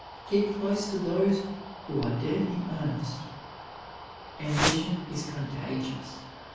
Keep close to those who are dead in earnest. Ambition is contagious.